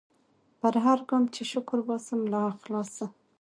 پر هرګام چي شکر باسم له اخلاصه